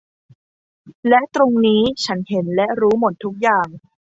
และตรงนี้ฉันเห็นและรู้หมดทุกอย่าง